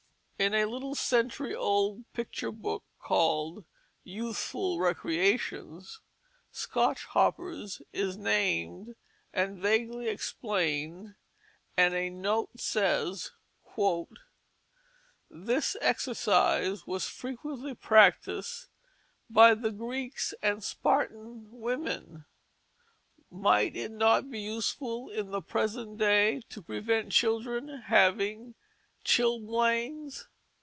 In a little century old picture book, called Youthful Recreations, Scotch hoppers is named and vaguely explained, and a note says: "This exercise was frequently practiced by the Greeks and Spartan women. Might it not be useful in the present day to prevent children having chilblains?"